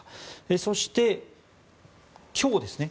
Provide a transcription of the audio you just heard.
そして、今日ですね